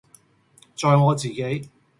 在我自己，